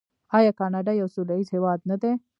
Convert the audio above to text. آیا کاناډا یو سوله ییز هیواد نه دی؟